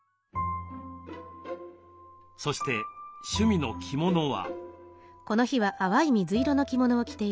そして趣味の着物は？